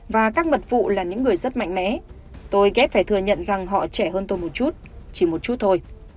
và các mật phụ là những người rất mạnh mẽ tôi ghép phải thừa nhận rằng họ trẻ hơn tôi một chút chỉ một chút thôi